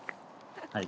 はい。